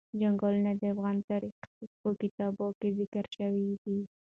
چنګلونه د افغان تاریخ په کتابونو کې ذکر شوی دي.